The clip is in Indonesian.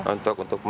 ini untuk apa